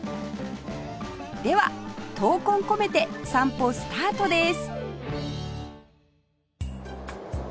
では闘魂込めて散歩スタートです！